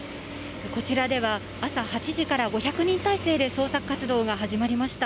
こちらでは朝８時から、５００人態勢で捜索活動が始まりました。